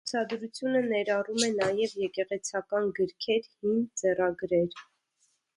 Ցուցադրությունը ներառում է նաև եկեղեցական գրքեր, հին ձեռագրեր։